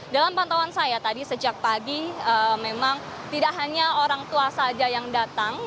dalam pantauan saya tadi sejak pagi memang tidak hanya orang tua saja yang datang